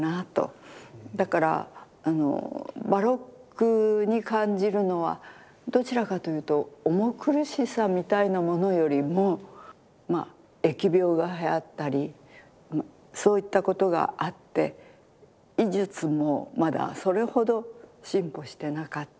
だからバロックに感じるのはどちらかというと重苦しさみたいなものよりも疫病がはやったりそういったことがあって医術もまだそれほど進歩してなかった。